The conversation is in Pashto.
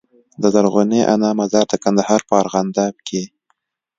د زرغونې انا مزار د کندهار په ارغنداب کي